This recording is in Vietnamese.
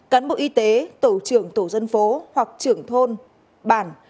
cán bộ y tế tổ trưởng tổ dân phố hoặc trưởng thôn bản